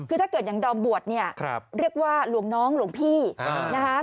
คือถ้าเกิดอย่างดอมบวชเรียกว่าหลวงน้องหรือหลวงพี่